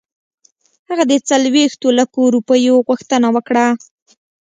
هغه د څلوېښتو لکو روپیو غوښتنه وکړه.